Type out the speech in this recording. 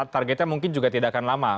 targetnya mungkin juga tidak akan lama